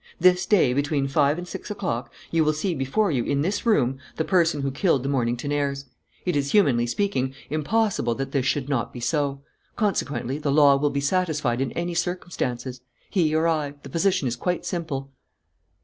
This day, between five and six o'clock, you will see before you, in this room, the person who killed the Mornington heirs. It is, humanly speaking, impossible that this should not be so. Consequently, the law will be satisfied in any circumstances. He or I: the position is quite simple."